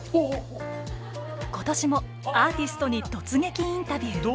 今年もアーティストに突撃インタビュー！